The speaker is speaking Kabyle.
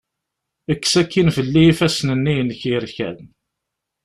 Kkes akin fell-i ifassen-nni inek yerkan.